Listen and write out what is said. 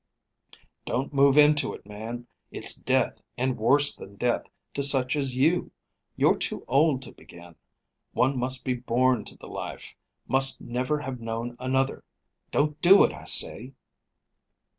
"Don't move into it, man. It's death and worse than death to such as you! You're too old to begin. One must be born to the life; must never have known another. Don't do it, I say."